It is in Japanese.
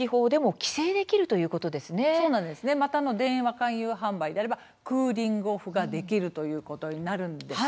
また電話勧誘販売であればクーリング・オフができるということになるんです。